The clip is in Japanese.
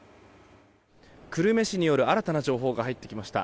久留米市による新たな情報が入ってきました。